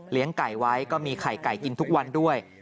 ไก่ไว้ก็มีไข่ไก่กินทุกวันด้วย